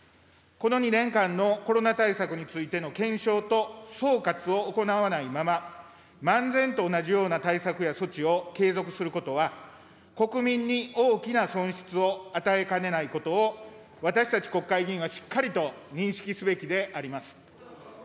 この２年間のコロナ対策についての検証と総括を行わないまま、漫然と同じような対策や措置を継続することは、国民に大きな損失を与えかねないことを私たち国会議員はしっかりと認識すべきであります。